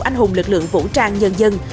anh hùng lực lượng vũ trang nhân dân